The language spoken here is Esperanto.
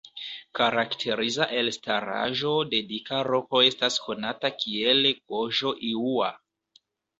Karakteriza elstaraĵo de dika roko estas konata kiel "Goĵo-iŭa"